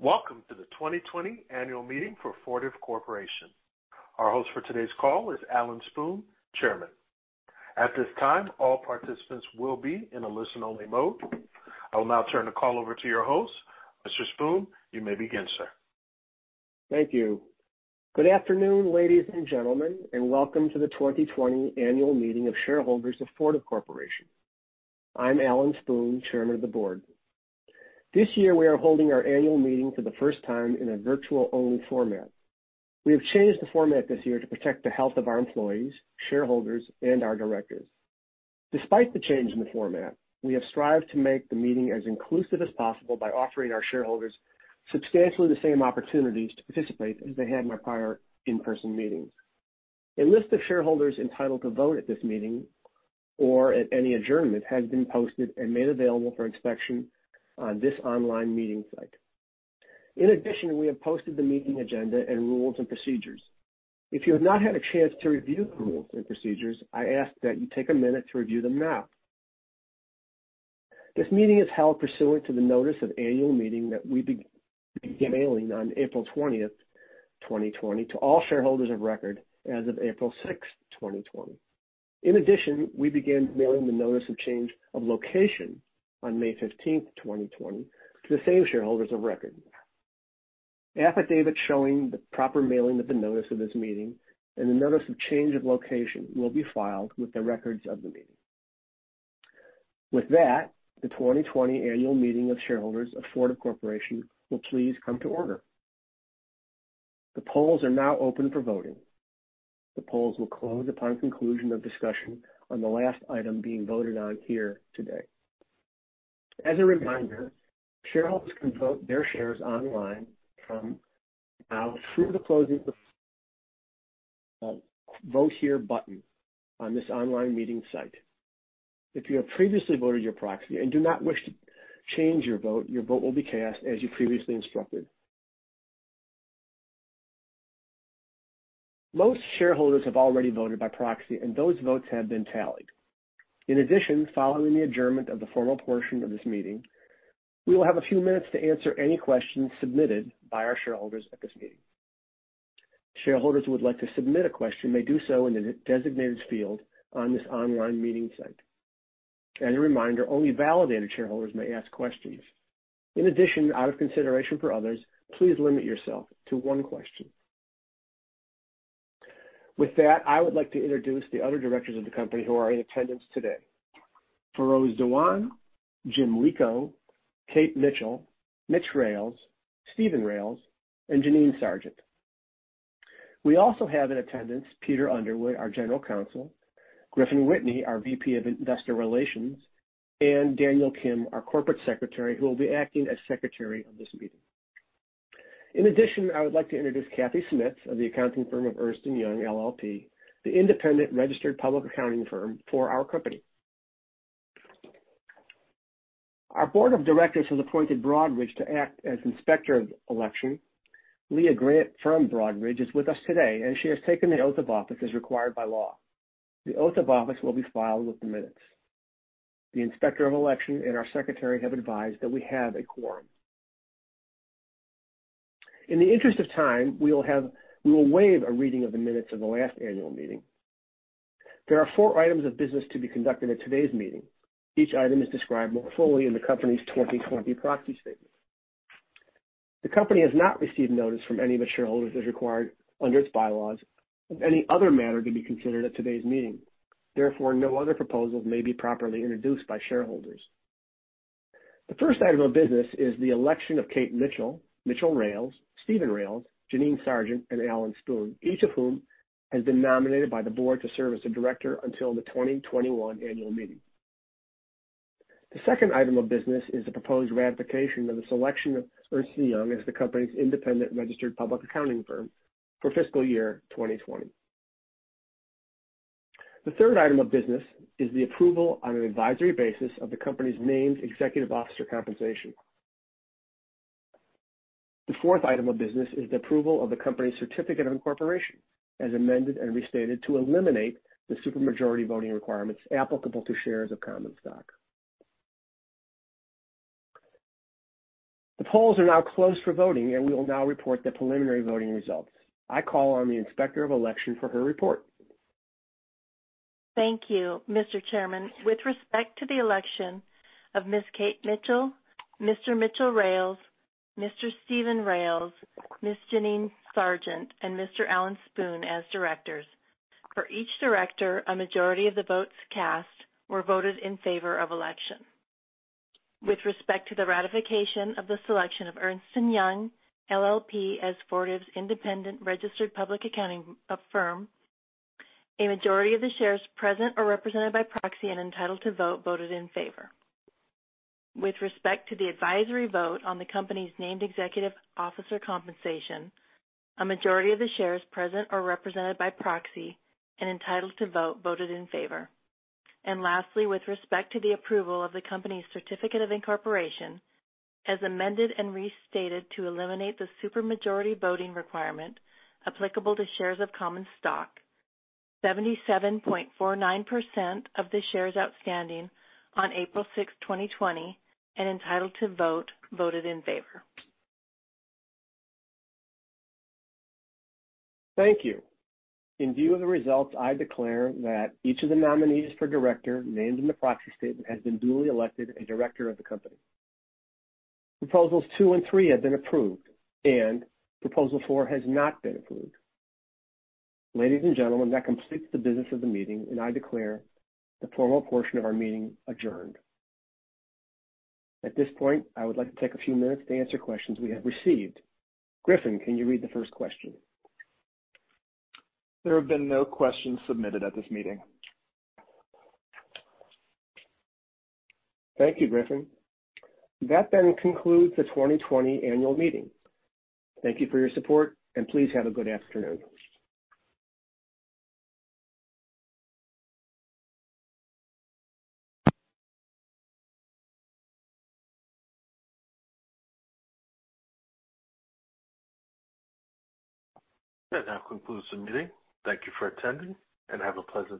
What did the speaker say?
Welcome to the 2020 Annual Meeting for Fortive Corporation. Our host for today's call is Alan Spoon, Chairman. At this time, all participants will be in a listen-only mode. I will now turn the call over to your host. Mr. Spoon, you may begin, sir. Thank you. Good afternoon, ladies and gentlemen, and welcome to the 2020 Annual Meeting of Shareholders of Fortive Corporation. I'm Alan Spoon, Chairman of the Board. This year, we are holding our annual meeting for the first time in a virtual-only format. We have changed the format this year to protect the health of our employees, shareholders, and our directors. Despite the change in the format, we have strived to make the meeting as inclusive as possible by offering our shareholders substantially the same opportunities to participate as they had in my prior in-person meetings. A list of shareholders entitled to vote at this meeting or at any adjournment has been posted and made available for inspection on this online meeting site. In addition, we have posted the meeting agenda and rules and procedures. If you have not had a chance to review the rules and procedures, I ask that you take a minute to review them now. This meeting is held pursuant to the Notice of Annual Meeting that we began mailing on April 20, 2020, to all shareholders of record as of April 6, 2020. In addition, we began mailing the notice of change of location on May 15, 2020, to the same shareholders of record. Affidavits showing the proper mailing of the notice of this meeting and the notice of change of location will be filed with the records of the meeting. With that, the 2020 Annual Meeting of Shareholders of Fortive Corporation will please come to order. The polls are now open for voting. The polls will close upon conclusion of discussion on the last item being voted on here today. As a reminder, shareholders can vote their shares online from now through the close of the Vote Here button on this online meeting site. If you have previously voted your proxy and do not wish to change your vote, your vote will be cast as you previously instructed. Most shareholders have already voted by proxy, and those votes have been tallied. In addition, following the adjournment of the formal portion of this meeting, we will have a few minutes to answer any questions submitted by our shareholders at this meeting. Shareholders who would like to submit a question may do so in the designated field on this online meeting site. As a reminder, only validated shareholders may ask questions. In addition, out of consideration for others, please limit yourself to one question. With that, I would like to introduce the other directors of the company who are in attendance today: Feroze Dewan, Jim Lico, Kate Mitchell, Mitchell Rales, Steven Rales, and Jeannine Sargent. We also have in attendance Peter Underwood, our General Counsel, Griffin Whitney, our VP of Investor Relations, and Daniel Kim, our Corporate Secretary, who will be acting as secretary of this meeting. In addition, I would like to introduce Kathy Smith of the accounting firm of Ernst & Young LLP, the independent registered public accounting firm for our company. Our board of directors has appointed Broadridge to act as inspector of election. Leah Grant from Broadridge is with us today, and she has taken the oath of office as required by law. The oath of office will be filed with the minutes. The inspector of election and our secretary have advised that we have a quorum. In the interest of time, we will waive a reading of the minutes of the last annual meeting. There are four items of business to be conducted at today's meeting. Each item is described more fully in the company's 2020 proxy statement. The company has not received notice from any of the shareholders as required under its bylaws of any other matter to be considered at today's meeting. Therefore, no other proposals may be properly introduced by shareholders. The first item of business is the election of Kate Mitchell, Mitchell Rales, Steven Rales, Jeannine Sargent, and Alan Spoon, each of whom has been nominated by the board to serve as a director until the 2021 annual meeting. The second item of business is the proposed ratification of the selection of Ernst & Young as the company's independent registered public accounting firm for fiscal year 2020. The third item of business is the approval on an advisory basis of the company's Named Executive Officer compensation. The fourth item of business is the approval of the company's Certificate of Incorporation as amended and restated to eliminate the supermajority voting requirements applicable to shares of common stock. The polls are now closed for voting, and we will now report the preliminary voting results. I call on the Inspector of Election for her report. Thank you. Mr. Chairman, with respect to the election of Ms. Kate Mitchell, Mr. Mitchell Rales, Mr. Steven Rales, Ms. Jeannine Sargent, and Mr. Alan Spoon as directors, for each director, a majority of the votes cast were voted in favor of election. With respect to the ratification of the selection of Ernst & Young LLP as Fortive's independent registered public accounting firm, a majority of the shares present or represented by proxy and entitled to vote voted in favor. With respect to the advisory vote on the company's Named Executive Officer compensation, a majority of the shares present or represented by proxy and entitled to vote voted in favor. Lastly, with respect to the approval of the company's Certificate of Incorporation as amended and restated to eliminate the supermajority voting requirement applicable to shares of common stock, 77.49% of the shares outstanding on April 6, 2020, and entitled to vote voted in favor. Thank you. In view of the results, I declare that each of the nominees for director named in the proxy statement has been duly elected a director of the company. Proposals two and three have been approved, and proposal four has not been approved. Ladies and gentlemen, that completes the business of the meeting, and I declare the formal portion of our meeting adjourned. At this point, I would like to take a few minutes to answer questions we have received. Griffin, can you read the first question? There have been no questions submitted at this meeting. Thank you, Griffin. That then concludes the 2020 annual meeting. Thank you for your support, and please have a good afternoon. That now concludes the meeting. Thank you for attending, and have a pleasant.